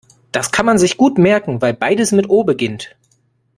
Das kann man sich gut merken, weil beides mit O beginnt.